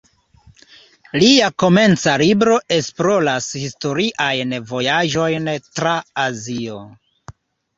Lia komenca libro esploras historiajn vojaĝojn tra Azio.